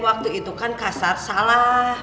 waktu itu kan kasar salah